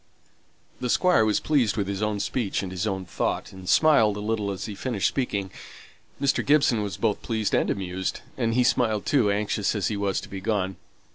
The Squire was pleased with his own speech and his own thought, and smiled a little as he finished speaking. Mr. Gibson was both pleased and amused; and he smiled too, anxious as he was to be gone.